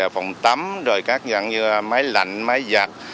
phòng tắm máy lạnh máy giặt